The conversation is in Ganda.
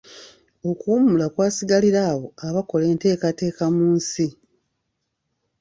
Okuwummula kwasigalira abo abakola enteekateeka mu nsi.